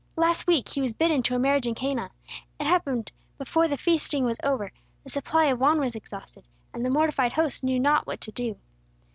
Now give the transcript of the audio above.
Last week he was bidden to a marriage in Cana. It happened, before the feasting was over, the supply of wine was exhausted, and the mortified host knew not what to do.